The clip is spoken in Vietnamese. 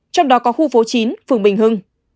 trong đó có khu phố chín phường bình hưng